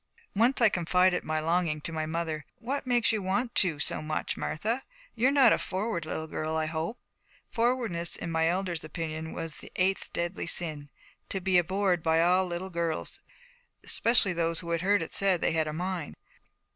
Once I confided my longing to my mother. 'What makes you want to so much, Martha? You're not a forward little girl, I hope.' Forwardness in my elders' opinion was the Eighth Deadly Sin, to be abhorred by all little girls, especially those who had heard it said that they had a mind.